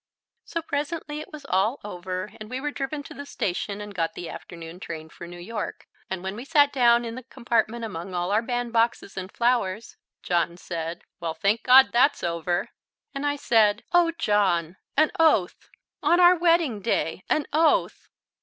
So presently it was all over and we were driven to the station and got the afternoon train for New York, and when we sat down in the compartment among all our bandboxes and flowers, John said, "Well, thank God, that's over." And I said, "Oh, John, an oath! on our wedding day, an oath!"